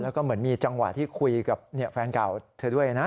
แล้วก็เหมือนมีจังหวะที่คุยกับแฟนเก่าเธอด้วยนะ